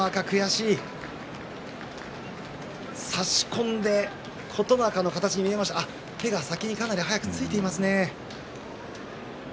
差し込んで琴ノ若の形に見えましたが手が早く先についていましたね。